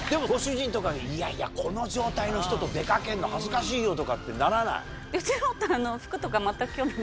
「いやいやこの状態の人と出かけるの恥ずかしいよ」とかってならない？